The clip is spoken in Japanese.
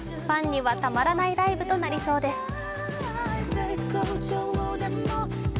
ファンにはたまらないライブとなりそうです。